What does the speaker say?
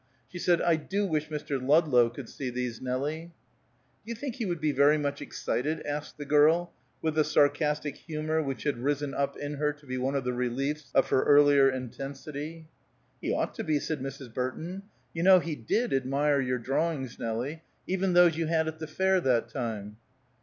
She said, "I do wish Mr. Ludlow could see these, Nelie." "Do you think he would be very much excited?" asked the girl, with the sarcastic humor which had risen up in her to be one of the reliefs of her earlier intensity. "He ought to be," said Mrs. Burton. "You know he did admire your drawings, Nelie; even those you had at the fair, that time."